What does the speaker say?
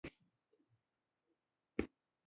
کچالو له سابه سره یو ځای پخېږي